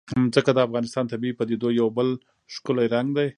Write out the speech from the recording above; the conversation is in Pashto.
ځمکه د افغانستان د طبیعي پدیدو یو بل ښکلی رنګ دی.